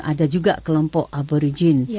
ada juga kelompok aborigin